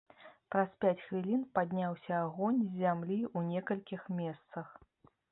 Праз пяць хвілін падняўся агонь з зямлі ў некалькіх месцах.